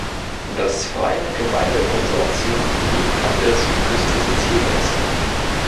Das Freie Gemeindekonsortium liegt an der Südküste Siziliens.